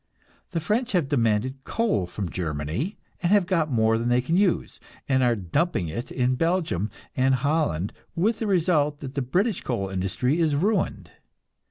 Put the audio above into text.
The French have demanded coal from Germany, and have got more than they can use, and are "dumping" it in Belgium and Holland, with the result that the British coal industry is ruined.